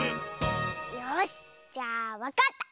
よしじゃあわかった！